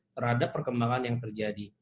terhadap perkembangan yang terjadi